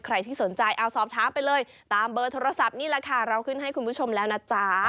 ใครที่สนใจเอาสอบถามไปเลยตามเบอร์โทรศัพท์นี่แหละค่ะเราขึ้นให้คุณผู้ชมแล้วนะจ๊ะ